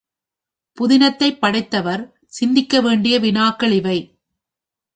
புதினத்தைப் படைத்தவர் சிந்திக்க வேண்டிய வினாக்கள் இவை.